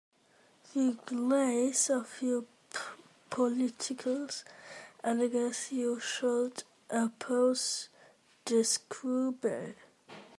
Regardless of your political allegiances, you should oppose this cruel bill.